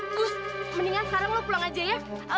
gus mendingan sekarang lo pulang aja ya